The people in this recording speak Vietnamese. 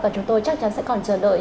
và chúng tôi chắc chắn sẽ còn chờ đợi